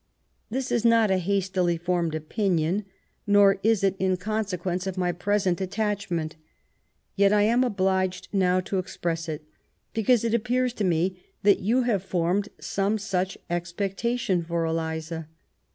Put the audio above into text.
This is not a hastily formed opinion, nor is it in consequence of my present attachment, yet I am obliged now to express it because it appears to me that you have formed some such expectation for Eliza.